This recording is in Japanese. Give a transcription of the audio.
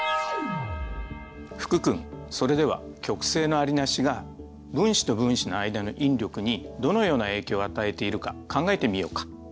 福君それでは極性のありなしが分子と分子の間の引力にどのような影響を与えているか考えてみようか。